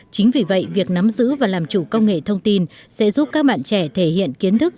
chính vì vậy việc nắm giữ và làm chủ công nghệ thông tin sẽ giúp các bạn trẻ thể hiện kiến thức